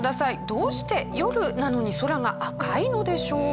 どうして夜なのに空が赤いのでしょうか？